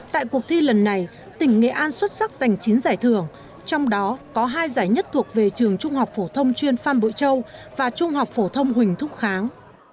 tại cuộc thi lần này tỉnh nghệ an xuất sắc giành chín giải thưởng trong đó có hai giải nhất thuộc về trường trung học phổ thông chuyên phan bội châu và trung học phổ thông huỳnh thúc kháng